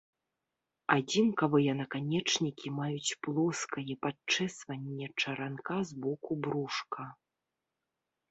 Адзінкавыя наканечнікі маюць плоскае падчэсванне чаранка з боку брушка.